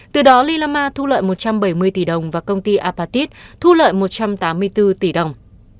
từ đó lilama thu lợi một trăm bảy mươi tỷ đồng và công ty apatit thu lợi một trăm tám mươi bốn tỷ đồng